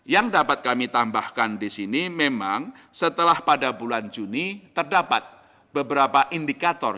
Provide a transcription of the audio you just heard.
yang dapat kami tambahkan di sini memang setelah pada bulan juni terdapat beberapa indikator